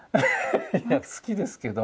いや好きですけど。